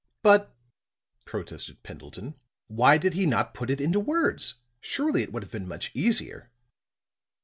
"But," protested Pendleton, "why did he not put it into words? Surely it would have been much easier?"